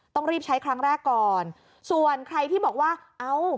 ต้องรีบใช้ครั้งแรกก่อนส่วนใครที่บอกว่าเอ้า